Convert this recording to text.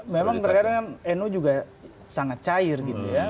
memang terkadang nu juga sangat cair gitu ya